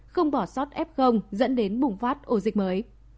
không bỏ sót f dẫn đến bùng phát ổ dịch mới